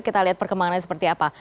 kita lihat perkembangannya seperti apa